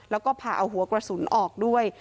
แล้วก็ผ่าเอาหัวกระสุนออกด้วย